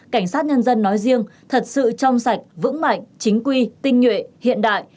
cảnh sát nhân dân nói riêng thật sự trong sạch vững mạnh chính quy tinh nhuệ hiện đại